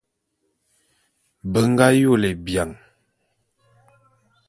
Be nga yôle bian.